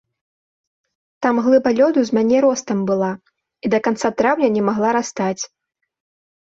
Там глыба лёду з мяне ростам была і да канца траўня не магла растаць.